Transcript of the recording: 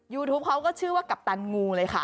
ยูทูปเขาก็ชื่อว่ากัปตันงูเลยค่ะ